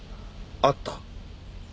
会った？